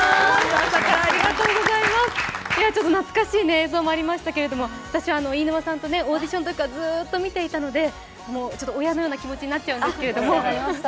懐かしい映像もありましたけれども、私は飯沼さんをオーディションのときからずっと見ていたので親のような気持ちになっちゃうんですけれども。